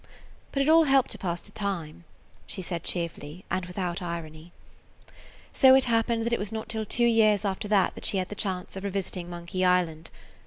"But it all helped to pass the time," she said cheerfully and without irony. So it happened that it was not till two years after that she had the chance of revisiting Monkey Island.